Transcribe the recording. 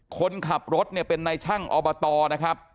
คนขับรถเนี่ยเป็นนายช่างอบตนะครับ